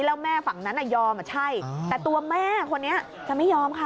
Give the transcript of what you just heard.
แล้วแม่ฝั่งนั้นยอมอ่ะใช่แต่ตัวแม่คนนี้จะไม่ยอมค่ะ